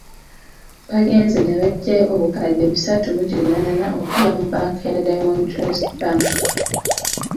Bagenze ne baggyayo obukadde bisatu mu kinaana okuva mu banka ya Diamond Trust Bank.